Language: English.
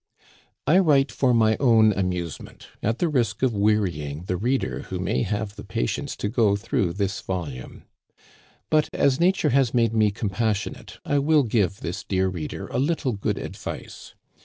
I write for my own amusement, at the risk of weary ing the reader who may have the patience to go through this volume. But, as Nature has made me compassionate, I will give this dear reader a little good advice.